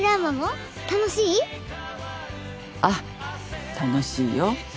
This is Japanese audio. ああ楽しいよ。